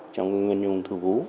trong cái nguyên nhân ung thư vú